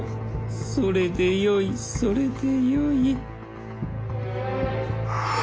それでよいそれでよい。